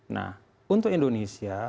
nah untuk indonesia